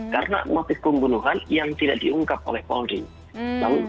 karena motif pembunuhan yang tidak diungkap oleh folding